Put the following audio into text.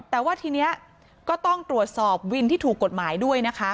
แต่ว่าทีนี้ก็ต้องตรวจสอบวินที่ถูกกฎหมายด้วยนะคะ